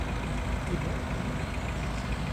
Еләҫ көн